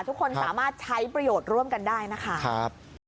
ทุกคนสามารถใช้ประโยชน์ร่วมกันได้นะคะ